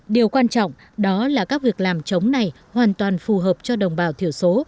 điều quan trọng đó là các việc làm chống này hoàn toàn phù hợp cho đồng bào thiểu số